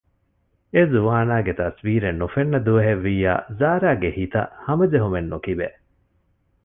އެޒުވާނާގެ ތަސްވީރެއް ނުފެންނަ ދުވަހެއް ވިއްޔާ ޒާރާގެ ހިތަށް ހަމަޖެހުމެއް ނުކިބޭ